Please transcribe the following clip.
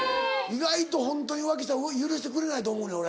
意外とホントに浮気したら許してくれないと思うねん俺。